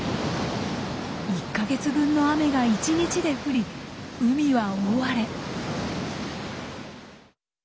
１か月分の雨が１日で降り海は大荒れ。